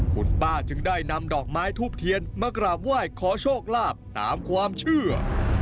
คุณป้าจึงได้นำดอกไม้ทูบเทียนมากราบไหว้ขอโชคลาภตามความเชื่อ